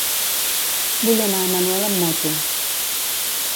Vull anar a Manuel amb moto.